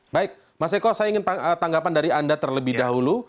baik mas eko saya ingin tanggapan dari anda terlebih dahulu